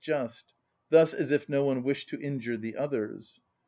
_, just, thus as if no one wished to injure the others.